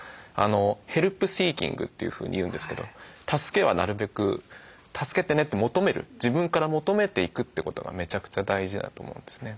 ヘルプシーキングというふうに言うんですけど助けはなるべく「助けてね」って求める自分から求めていくってことがめちゃくちゃ大事だと思うんですね。